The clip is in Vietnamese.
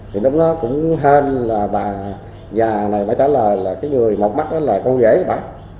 thì lúc đó cũng hên là bà già này phải trả lời là cái người một mắt đó là con rể của bà